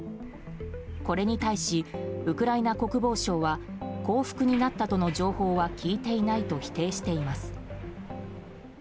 これに対し、ウクライナ国防省は降伏になったとの情報は聞いていないと否定しています。